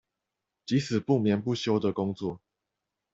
即使不眠不休的工作